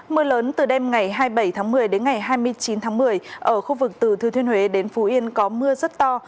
mưa lớn từ đêm ngày hai mươi bảy tháng một mươi đến ngày hai mươi chín tháng một mươi ở khu vực từ thư thiên huế đến phú yên có mưa rất to